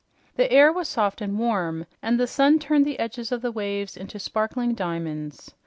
The air was soft and warm and the sun turned the edges of the waves into sparkling diamonds.